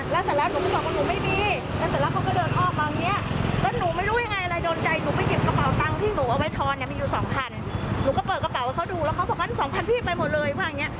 แล้วขี่รถก็หักไปเลย